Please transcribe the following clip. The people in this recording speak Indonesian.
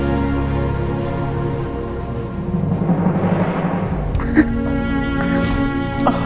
mama gak mau bantuin kamu